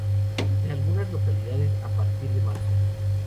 En algunas localidades a partir de marzo.